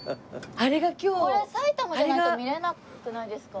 これ埼玉じゃないと見られなくないですか？